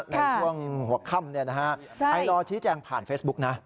ในช่วงหัวค่ำไอลอร์ชี้แจงผ่านเฟซบุ๊กนะ